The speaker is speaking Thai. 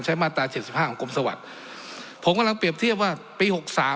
มาตราเจ็ดสิบห้าของกรมสวัสดิ์ผมกำลังเปรียบเทียบว่าปีหกสาม